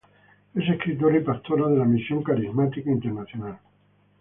Es escritora y pastora de la Misión Carismática Internacional.